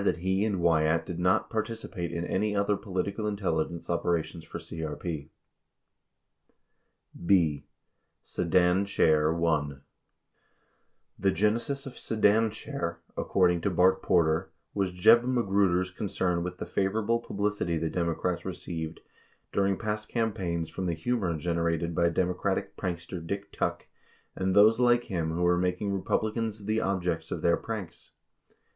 190 that he and Wyatt did not participate in any other political intel ligence operations for the CRP. 34 b. Sedan Chair I The genesis of Sedan Chair, according to Bart Porter, was Jeb Magruder's concern with the favorable publicity the Democrats re ceived during past campaigns from the humor generated by Demo cratic prankster Dick Tuck and those like him who were making Republicans the objects of their pranks.